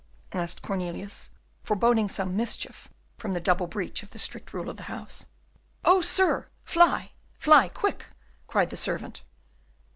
asked Cornelius, foreboding some mischief from the double breach of the strict rule of his house. "Oh, sir, fly! fly quick!" cried the servant.